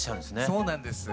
そうなんですよ。